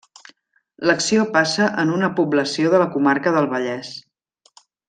L'acció passa en una població de la comarca del Vallès.